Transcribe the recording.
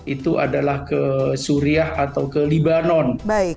itu adalah ke suriah atau ke libanon